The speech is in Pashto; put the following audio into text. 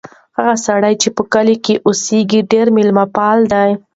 هغه سړی چې په کلي کې اوسیږي ډېر مېلمه پال دی.